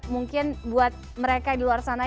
mungkin buat mereka di luar sana